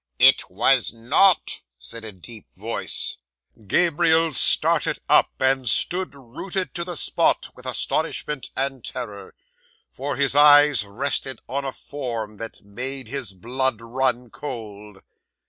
'"It was not," said a deep voice. 'Gabriel started up, and stood rooted to the spot with astonishment and terror; for his eyes rested on a form that made his blood run cold.